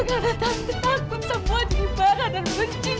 karena tante takut semua diri marah dan mencintai tante